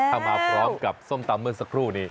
ถ้ามาพร้อมกับส้มตำเมื่อสักครู่นี้